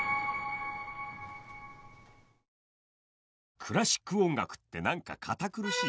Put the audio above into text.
クラシック音楽って何か堅苦しい？